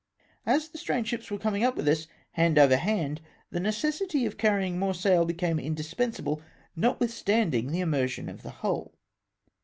As the strange ships were coming up with us hand over hand, the necessity of carrying more sail became indispensable, notwithstanding the immersion of the hull.